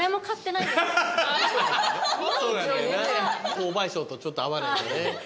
購買層とちょっと合わないんだよね。